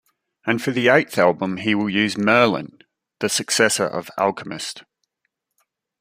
And for the eighth album he will use "Merlin", the successor of "Alchemist".